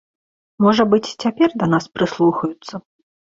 Можа быць, цяпер да нас прыслухаюцца.